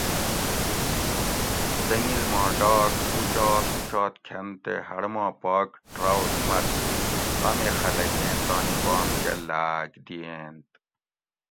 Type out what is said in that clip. زنگل ما ڈاک اُچات اُچات کھۤن تے ہڑ ما پاک ٹراؤٹ مڅ امی خلکیں تانی بام کہ لاۤک دِیٔینت